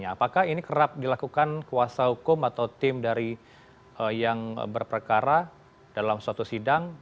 apakah ini kerap dilakukan kuasa hukum atau tim dari yang berperkara dalam suatu sidang